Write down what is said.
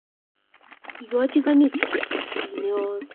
Ikochi konyit chi ne os